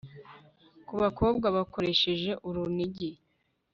ku bakobwa bakoresheje urunigi